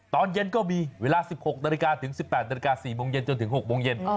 ตอนเย็นก็มีเวลา๑๖นาฬิกาถึง๑๘นาฬิกา๔โมงเย็นจนถึง๖โมงเย็น